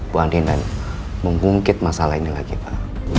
buantin dan menggungkit masalah ini lagi pak